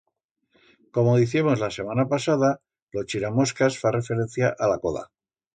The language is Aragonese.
Como diciemos la semana pasada, lo chiramoscas fa referencia a la coda.